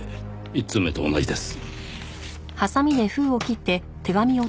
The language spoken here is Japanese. １通目と同じです。